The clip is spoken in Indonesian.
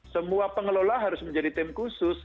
semua pengelola harus menjadi tim khusus